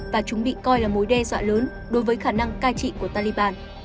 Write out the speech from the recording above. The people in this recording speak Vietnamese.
và chúng bị coi là mối đe dọa lớn đối với khả năng cai trị của taliban